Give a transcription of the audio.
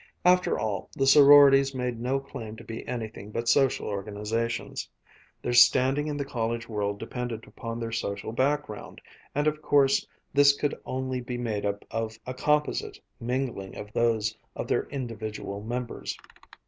After all, the sororities made no claim to be anything but social organizations. Their standing in the college world depended upon their social background, and of course this could only be made up of a composite mingling of those of their individual members.